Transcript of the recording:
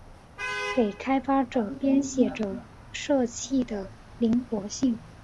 给开发者编写着色器的灵活性。